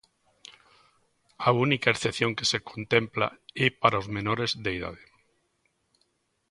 A única excepción que se contempla é para os menores de idade.